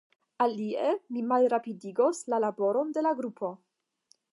Alie, mi malrapidigos la laboron de la grupo.